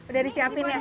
udah disiapin ya